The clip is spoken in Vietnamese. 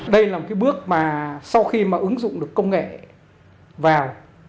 đây là một cái bước mà sau khi mà ứng dụng được công nghệ vào